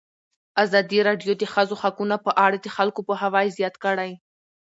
ازادي راډیو د د ښځو حقونه په اړه د خلکو پوهاوی زیات کړی.